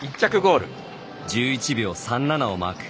１１秒３７をマーク。